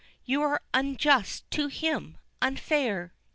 You are unjust to him unfair.